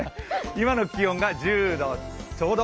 今の気温が１０度ちょうど。